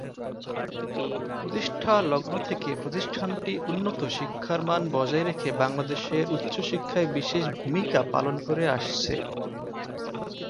প্রতিষ্ঠালগ্ন থেকে প্রতিষ্ঠানটি উন্নত শিক্ষার মান বজায় রেখে বাংলাদেশের উচ্চশিক্ষায় বিশেষ ভূমিকা পালন করে আসছে।